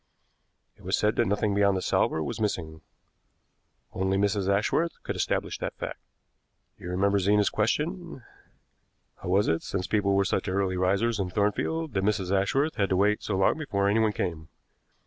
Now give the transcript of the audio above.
It was said that nothing beyond the salver was missing. Only Mrs. Ashworth could establish that fact. You remember Zena's question: 'How was it, since people were such early risers in Thornfield, that Mrs. Ashworth had to wait so long before anyone came?'